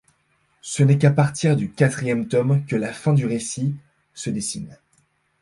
Ce n'est qu'à partir du quatrième tome que la fin du récit se dessine.